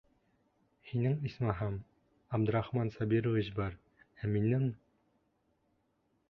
Һинең, исмаһам, Абдрахман Сабирович бар, ә минең...